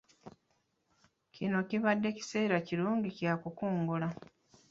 Kino kibadde kiseera kirungi kya kukungula.